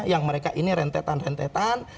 yang mereka ini rentetan rentetan